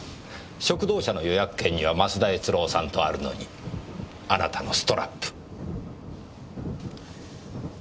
食堂車の予約券には増田悦郎さんとあるのにあなたのストラップ。